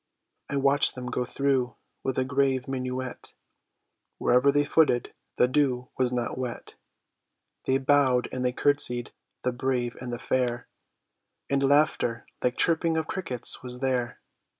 I watched them go through with a grave minuet; Wherever they footed the dew was not wet; They bowed and they curtsied, the brave and the fair; And laughter like chirping of crickets was there.